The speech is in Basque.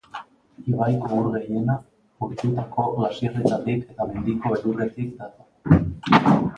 Ibaiko ur gehiena urtutako glaziarretatik eta mendiko elurretik dator.